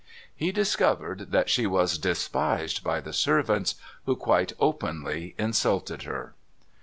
He discovered that she was despised by the servants, who quite openly insulted her.